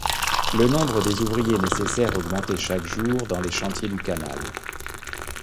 Le nombre des ouvriers nécessaires augmentait chaque jour dans les chantiers du canal.